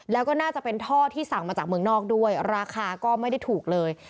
แล้วก็น่าจะเป็นท่อที่สั่งมาจากเมืองนอกด้วยราคาก็ไม่ได้ถูกเลย